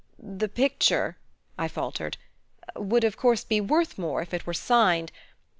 "The picture," I faltered, "would of course be worth more if it were signed.